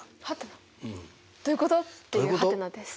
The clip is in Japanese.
「？」どういうことっていう「？」です。